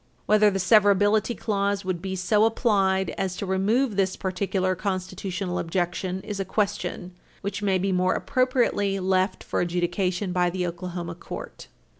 Whether the severability clause would be so applied as to remove this particular constitutional objection is a question which may be more appropriately left for adjudication by the Oklahoma court.